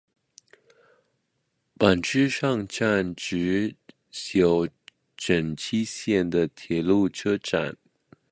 坂之上站指宿枕崎线的铁路车站。